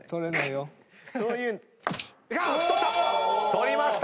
取りました！